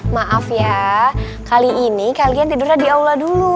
maaf ya kali ini kalian tidurnya di aula dulu